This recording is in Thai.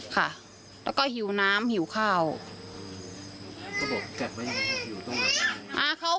ค่ะแล้วก็หิวน้ำหิวข้าว